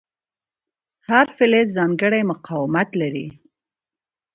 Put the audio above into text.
هر فلز ځانګړی مقاومت لري.